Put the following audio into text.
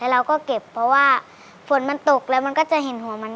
เราก็เก็บเพราะว่าฝนมันตกแล้วมันก็จะเห็นหัวมัน